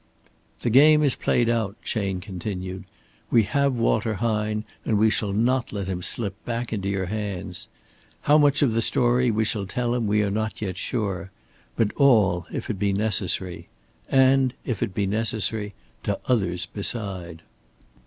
"The game is played out," Chayne continued. "We have Walter Hine, and we shall not let him slip back into your hands. How much of the story we shall tell him we are not yet sure but all if it be necessary. And, if it be necessary, to others beside."